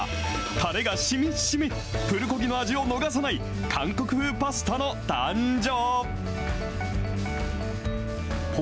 たれがしみしみ、プルコギの味を逃さない韓国風パスタの誕生。